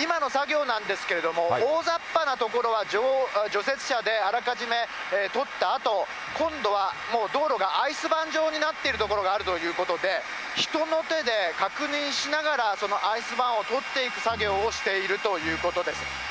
今の作業なんですけれども、大ざっぱな所は除雪車であらかじめ、取ったあと、今度は道路がアイスバーン状になっている所があるということで、人の手で確認しながら、そのアイスバーを取っていく作業をしているということです。